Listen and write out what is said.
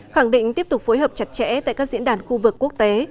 khẳng định tiếp tục phối hợp chặt chẽ tại các diễn đàn khu vực quốc tế